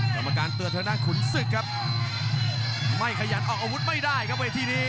กรรมการเตือนทางด้านขุนศึกครับไม่ขยันออกอาวุธไม่ได้ครับเวทีนี้